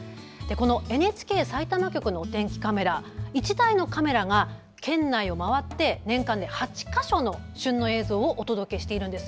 ＮＨＫさいたま局のお天気カメラ１台のカメラが県内を回って年間で８か所の旬の映像をお届けしているんです。